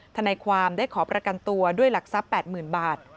ธนาความได้ขอประกันตัวด้วยหลักษะ๘๐๐๐๐บาท